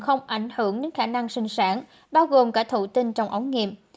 không ảnh hưởng đến khả năng sinh sản bao gồm cả thụ tinh trong ống nghiệm